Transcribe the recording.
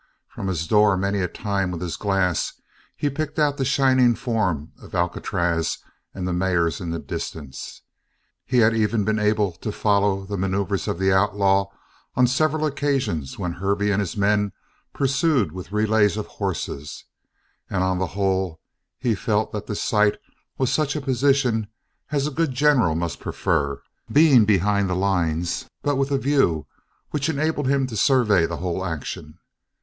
From his door many a time, with his glass, he picked out the shining form of Alcatraz and the mares in the distance; he had even been able to follow the maneuvers of the outlaw on several occasions when Hervey and his men pursued with relays of horses, and on the whole he felt that the site was such a position as a good general must prefer, being behind the lines but with a view which enabled him to survey the whole action.